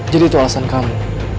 jadi itu alasan kamu